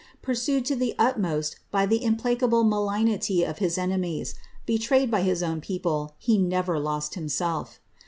Pursued to the utmost by the im* phuahle malignity of his enoniie., betrayed by his own people, he never k»t him^cIf.